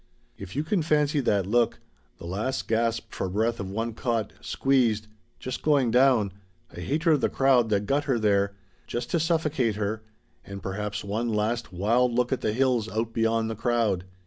If you can fancy that look the last gasp for breath of one caught squeezed just going down a hatred of the crowd that got her there, just to suffocate her and perhaps one last wild look at the hills out beyond the crowd.